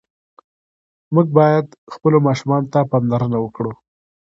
موږ باید خپلو ماشومانو ته پاملرنه وکړو.